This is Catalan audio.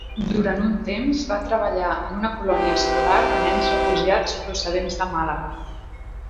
Durant un temps va treballar en una colònia escolar de nens refugiats procedents de Màlaga.